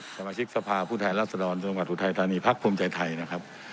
สมาชิกสภาพผู้แทนรัศดรจังหวัดอุทัยธานีพักภูมิใจไทยนะครับ